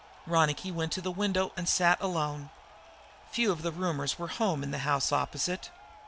Ronicky went to the window and sat alone. Few of the roomers were home in the house opposite.